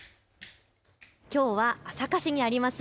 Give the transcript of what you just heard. きょうは朝霞市にあります